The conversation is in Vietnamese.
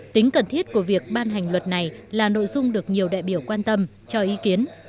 tính cần thiết của việc ban hành luật này là nội dung được nhiều đại biểu quan tâm cho ý kiến